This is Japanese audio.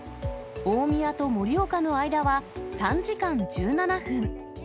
大宮と盛岡の間は３時間１７分。